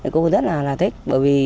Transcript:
cô rất là thích